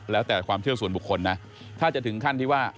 แล้วแต่ความเชื่อส่วนบุคคลนะถ้าจะถึงขั้นที่ว่า